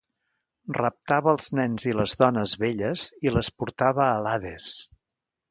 Raptava els nens i les dones velles i les portava a l'Hades.